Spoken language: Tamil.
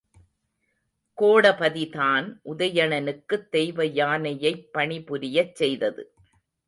கோடபதிதான் உதயணனுக்குத் தெய்வ யானையைப் பணிபுரியச் செய்தது.